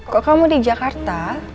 kok kamu di jakarta